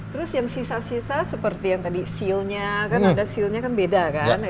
terus yang sisa sisa seperti yang tadi sealnya kan ada sealnya kan beda kan